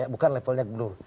ya bukan levelnya gubernur